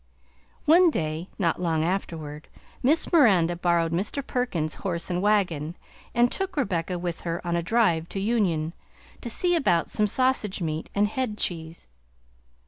One day, not long afterward, Miss Miranda borrowed Mr. Perkins's horse and wagon and took Rebecca with her on a drive to Union, to see about some sausage meat and head cheese.